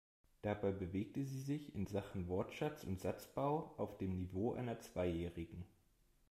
Dabei bewegte sie sich in Sachen Wortschatz und Satzbau auf dem Niveau einer Zweijährigen.